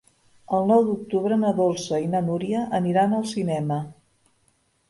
El nou d'octubre na Dolça i na Núria aniran al cinema.